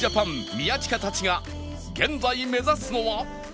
宮近たちが現在目指すのは